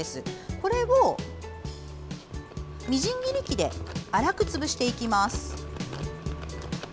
これを、みじん切り器で粗く潰していきます。